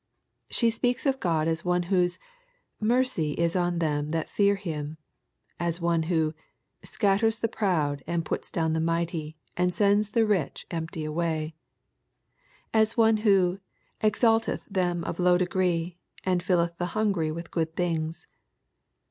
She speaks of God as One whose *^ mercy is on them that fear Him/' — ^as One who " scat ters the proud, and puts down the mighty, and sends the rich empty away,'' — as One who " exalteth them of low degree, and filleth the hungry with good things."